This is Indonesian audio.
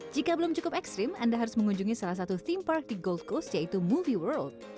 jika belum cukup ekstrim anda harus mengunjungi salah satu theme park di gold coast yaitu movie world